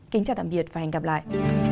kính chào tạm biệt và hẹn gặp lại